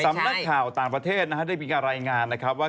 สำนักข่าวต่างประเทศนะฮะได้มีการรายงานนะครับว่า